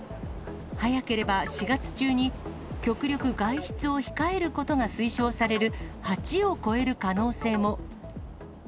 早ければ４月中に極力外出を控えることが推奨される８を超える可能性も。